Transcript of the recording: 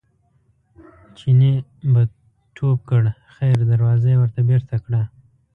چیني به ټوپ کړ خیر دروازه یې ورته بېرته کړه.